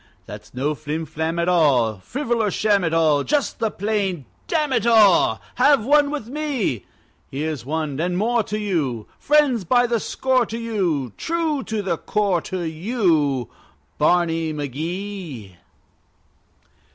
That's no flim flam at all, Frivol or sham at all, Just the plain Damn it all, Have one with me! Here's one and more to you! Friends by the score to you, True to the core to you, Barney McGee!